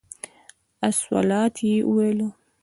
الصلواة یې ویلو.